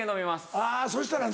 あぁそしたらな。